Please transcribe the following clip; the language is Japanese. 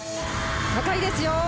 高いですよ。